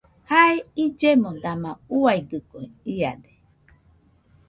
Jae illemo dama uiadɨkue iade.